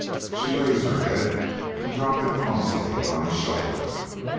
She raised her head and dropped it clumsily on his shoulder.